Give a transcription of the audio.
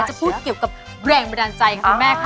จะพูดเกี่ยวกับแรงบันดาลใจของคุณแม่ค่ะ